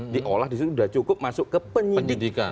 diolah disitu sudah cukup masuk ke penyelidikan